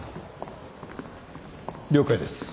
了解です